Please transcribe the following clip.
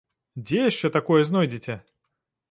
Дзе яшчэ такое знойдзеце?